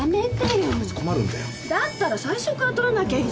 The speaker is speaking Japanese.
だったら最初から撮らなきゃいいじゃない！